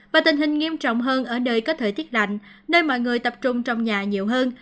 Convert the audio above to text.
và tình hình nghiêm trọng hơn ở nơi có thời tiết lạnh nơi mọi người tập trung trong nhà nhiều hơn